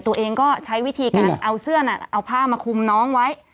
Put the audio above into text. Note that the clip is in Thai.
ตัวเองก็ใช้วิธีการเอาเสื้อน่ะเอาผ้ามาคุมน้องไว้